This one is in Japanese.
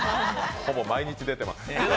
ほぼ毎日出てます。